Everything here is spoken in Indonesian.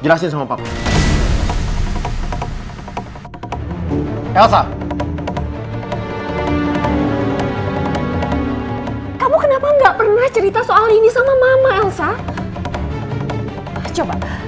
jelasin sama papa elsa kamu kenapa enggak pernah cerita soal ini sama mama elsa coba